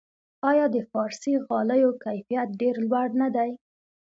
آیا د فارسي غالیو کیفیت ډیر لوړ نه دی؟